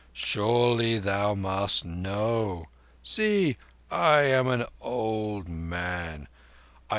Surely thou must know? See, I am an old man!